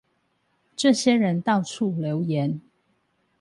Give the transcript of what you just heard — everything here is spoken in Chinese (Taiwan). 這些人到處留言